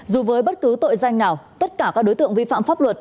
dù với bất cứ tội danh nào tất cả các đối tượng vi phạm pháp luật